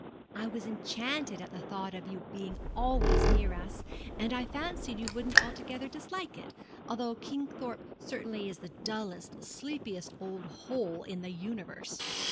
'I was enchanted at the thought of your being always near us, and I fancied you wouldn't altogether dislike it; although Kingthorpe certainly is the dullest, sleepiest old hole in the universe.